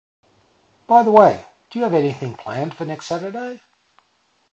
By the way, do you have anything planned for next Saturday?